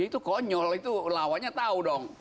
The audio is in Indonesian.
ya itu konyol itu lawannya tau dong